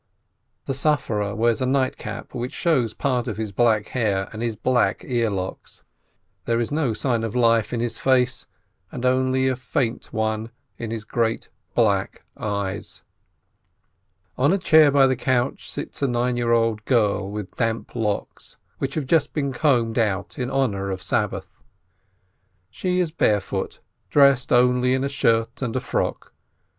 The sufferer wears a nightcap, which shows part of his black hair and his black earlocks. There is no sign of life in his face, and only a faint one in his great, black eyes. On a chair by the couch sits a nine year old girl with damp locks, which have just been combed out in honor of Sabbath. She is barefoot, dressed only in a shirt and a frock.